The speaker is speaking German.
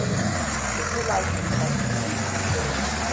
Bitte leiser sprechen.